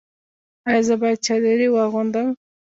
ایا زه باید چادري واغوندم؟